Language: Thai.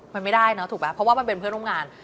มันไม่ได้เนอะถูกไหมเพราะว่ามันเป็นเพื่อนร่วมงาน